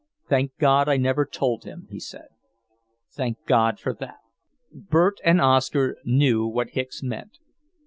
"Thank God I never told him," he said. "Thank God for that!" Bert and Oscar knew what Hicks meant.